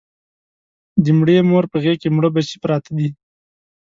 د مړې مور په غېږ کې مړه بچي پراته دي